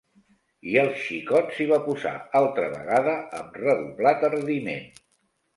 I el xicot s'hi va posar altra vegada amb redoblat ardiment.